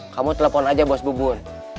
kamu telepon aja bos bubur